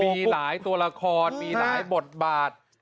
มีหลายตัวละครมีหลายบทบาท